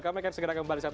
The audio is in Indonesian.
kami akan segera kembali